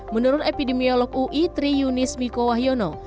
menurut epidemiolog ui tri yunis miko wahyono